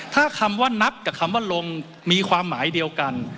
ถ้าคำว่านับกับคำว่าลงมีความหมายเดียวกัน